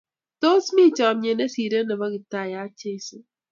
Tos mi chamyet ne sirei nepo Kiptayat Jeso?